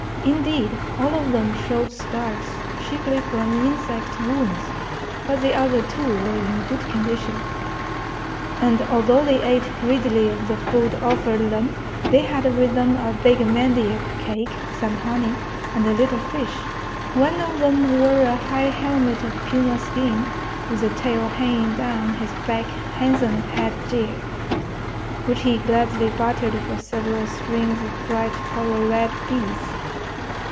Indeed, all of them showed scars, chiefly from insect wounds. But the other two were in good condition, and, although they ate greedily of the food offered them, they had with them a big mandioc cake, some honey, and a little fish. One of them wore a high helmet of puma skin, with the tail hanging down his back handsome head gear, which he gladly bartered for several strings of bright coral red beads.